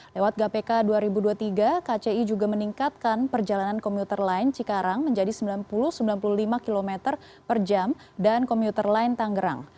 lewat gapk dua ribu dua puluh tiga kci juga meningkatkan perjalanan komuter lain cikarang menjadi sembilan puluh sembilan puluh lima km per jam dan komuter lain tangerang